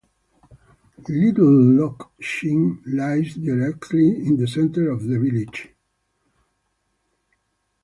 Little Loch Shin lies directly in the centre of the village.